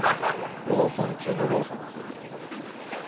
ローソン中のローソン。